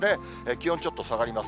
気温ちょっと下がります。